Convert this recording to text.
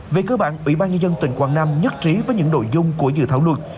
về cơ bản ủy ban nhân dân tỉnh quảng nam nhất trí với những nội dung của dự thảo luật